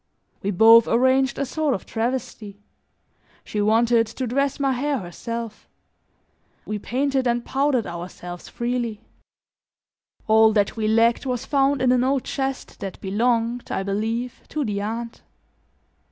We both arranged a sort of travesty; she wanted to dress my hair herself; we painted and powdered ourselves freely; all that we lacked was found in an old chest that belonged, I believe, to the aunt.